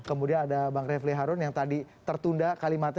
kemudian ada bang refli harun yang tadi tertunda kalimatnya